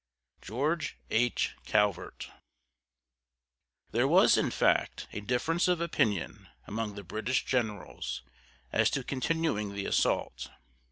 GEORGE H. CALVERT. There was, in fact, a difference of opinion among the British generals as to continuing the assault.